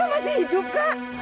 kakak masih hidup kak